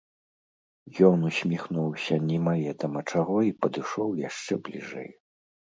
Ён усміхнуўся немаведама чаго і падышоў яшчэ бліжэй.